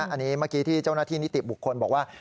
อันนี้เมื่อกี้ที่เจ้าหน้าที่นิติบุคคลบอกว่า